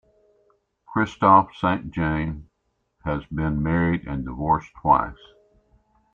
Kristoff Saint John has been married and divorced twice.